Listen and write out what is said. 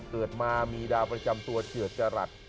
เกิดมามีดาวประจำตัวเฉือดจรัส